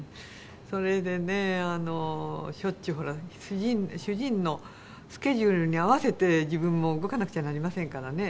それでねしょっちゅうほら主人のスケジュールに合わせて自分も動かなくちゃなりませんからね。